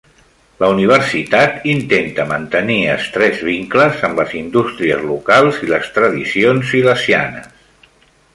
La universitat intenta mantenir estrets vincles amb les indústries locals i les tradicions silesianes.